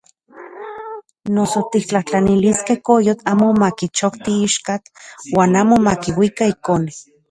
Noso tiktlajtlaniliskej koyotl amo makichokti ichkatl uan amo makiuika ikone.